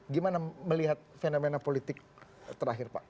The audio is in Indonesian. gimana melihat fenomena politik terakhir pak